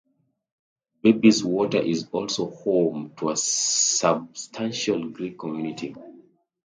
Bayswater is also home to a substantial Greek community.